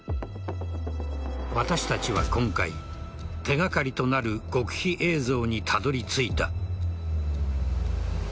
私たちは今回、手がかりとなる極秘映像にたどり着いた。